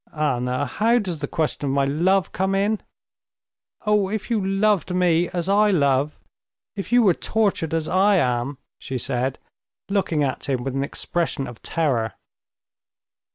"Anna! How does the question of my love come in?" "Oh, if you loved me, as I love, if you were tortured as I am!..." she said, looking at him with an expression of terror.